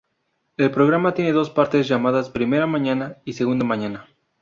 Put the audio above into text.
El programa tiene dos partes, llamadas ""Primera mañana"" y ""Segunda mañana"".